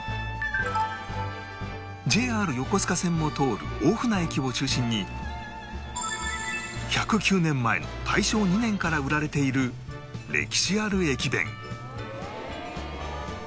ＪＲ 横須賀線も通る大船駅を中心に１０９年前の大正２年から売られている歴史ある駅弁